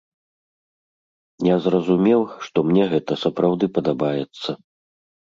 Я зразумеў, што мне гэта сапраўды падабаецца.